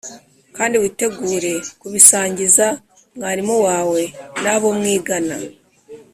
kandi witegure kubisangiza mwarimu wawe n‘ abo mwigana.